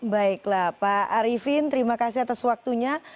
baiklah pak arifin terima kasih atas waktunya